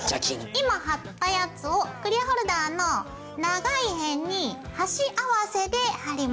今貼ったやつをクリアホルダーの長い辺に端合わせで貼ります。